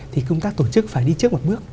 thì công tác tổ chức phải đi trước một bước